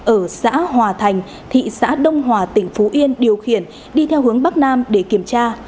ở xã hòa thành thị xã đông hòa tỉnh phú yên điều khiển đi theo hướng bắc nam để kiểm tra